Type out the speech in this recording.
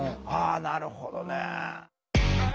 ああなるほどね。